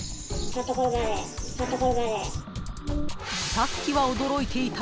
［さっきは驚いていた］